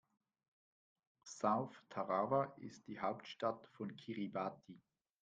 South Tarawa ist die Hauptstadt von Kiribati.